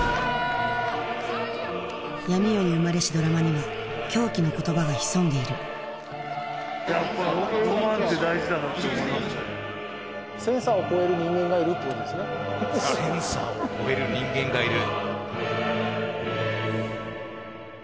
闇夜に生まれしドラマには狂気の言葉が潜んでいる「センサーを超える人間がいる」。